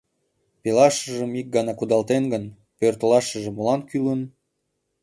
Пелашыжым ик гана кудалтен гын, пӧртылашыже молан кӱлын?